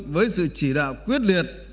với sự chỉ đạo quyết liệt